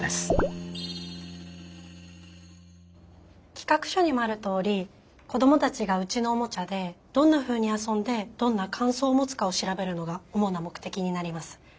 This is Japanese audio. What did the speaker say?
企画書にもあるとおり子どもたちがうちのおもちゃでどんなふうに遊んでどんな感想を持つかを調べるのが主な目的になります。